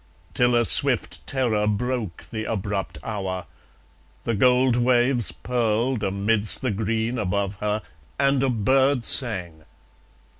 ... Till a swift terror broke the abrupt hour. The gold waves purled amidst the green above her; And a bird sang.